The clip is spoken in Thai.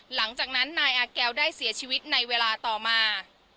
หลังจากนั้นนายอาแก้วได้เสียชีวิตในเวลาต่อมา